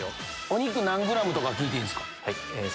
お肉何グラムとか聞いていいですか？